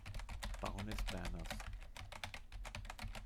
Baroness Berners.